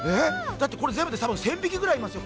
全部で１０００匹ぐらいいますよ。